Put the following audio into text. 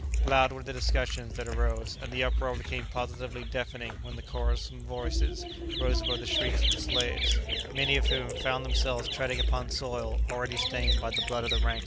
Loud were the discussions that arose, and the uproar became positively deafening when the quarrelsome voices rose above the shrieks of the slaves, many of whom found themselves treading upon soil already stained by the blood of the ranks in front.